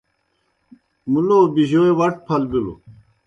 مُلو بِجَوئے وٹ پھل بِلوْ۔